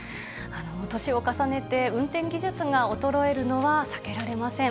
年を重ねて、運転技術が衰えるのは避けられません。